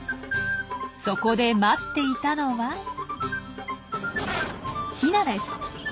そこで待っていたのはヒナです。